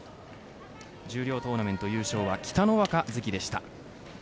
十両トーナメント優勝は北の若関でした。